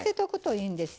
はい。